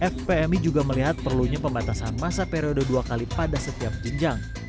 fpmi juga melihat perlunya pembatasan masa periode dua kali pada setiap jenjang